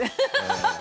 ハハハハ！